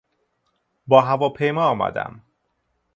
با هواپیما آمدم.